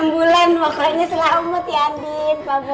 enam bulan pokoknya setelah umur tiandin pak bos